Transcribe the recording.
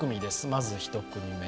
まず１組目。